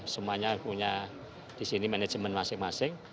semuanya punya di sini manajemen masing masing